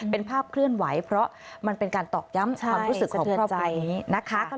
เป็นภาพเคลื่อนไหวเพราะมันเป็นการตอกย้ำความรู้สึกของครอบครัวนี้นะคะ